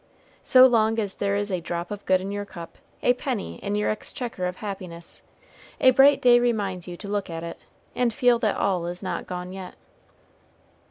So long as there is a drop of good in your cup, a penny in your exchequer of happiness, a bright day reminds you to look at it, and feel that all is not gone yet.